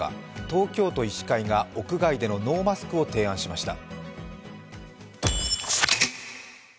東京都医師会が屋外でのノーマスクを提案しました。